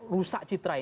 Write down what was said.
rusak citra ini